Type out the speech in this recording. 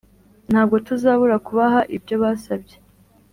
Ntabwo tuzabura kubaha ibyo basabye